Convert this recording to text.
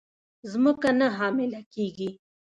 مځکه نه حامله کیږې